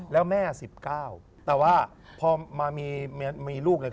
และแม่๑๙แต่ว่าพอมามีลูก